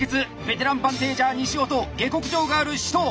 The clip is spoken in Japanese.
ベテランバンテージャー西尾と下克上ガール紫桃。